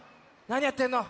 なにやってんの？